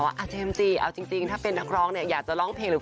อาเจมส์จีเอาจริงถ้าเป็นนักร้องเนี่ยอยากจะร้องเพลงหรือ